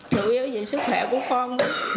chủ yếu vì sức khỏe của con